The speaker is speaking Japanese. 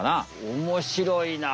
おもしろいな。